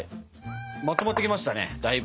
まとまってきましたねだいぶ。